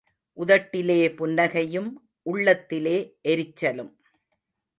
உதட்டிலே புன்னகையும் உள்ளத்திலே எரிச்சலும்.